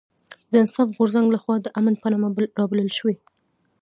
د انصاف غورځنګ لخوا د امن په نامه رابلل شوې